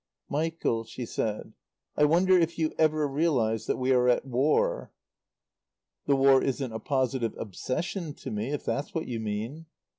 "Michael," she said, "I wonder if you ever realize that we are at war." "The War isn't a positive obsession to me, if that's what you mean."